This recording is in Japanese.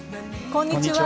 こんにちは。